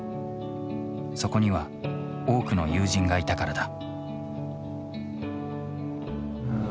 そこには多くの友人がいたからだ。